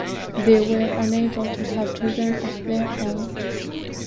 They were unable to have children of their own.